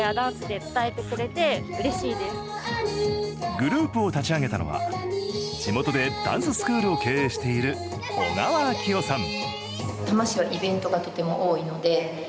グループを立ち上げたのは地元でダンススクールを経営している小川晃世さん。